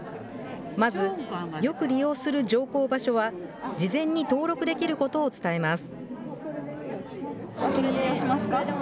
まずよく利用する乗降場所は、事前に登録できることを伝えます。